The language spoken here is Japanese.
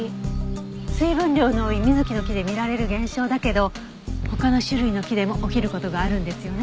水分量の多いミズキの木で見られる現象だけど他の種類の木でも起きる事があるんですよね。